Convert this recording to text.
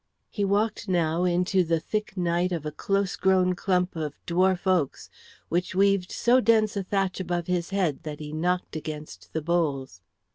He walked now into the thick night of a close grown clump of dwarf oaks, which weaved so dense a thatch above his head that he knocked against the boles.